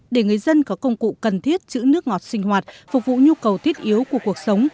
để người dân có công cụ cần thiết chữ nước ngọt sinh hoạt phục vụ nhu cầu thiết yếu của cuộc sống